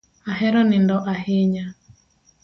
Ahero nindo ahinya